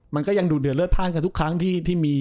มันก็ยังดูดเดือดเลือดพลาดกันทุกครั้งที่มี